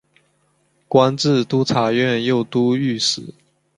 官至都察院右都御史。